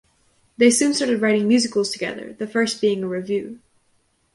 They soon started writing musicals together, the first being a revue.